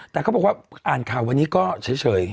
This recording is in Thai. แต่เขาบอกว่าอ่านข่าววันนี้ก็เฉย